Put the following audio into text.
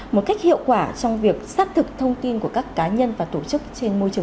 một cách hiệu quả trong việc xác thực thông tin của các cá nhân và tổ chức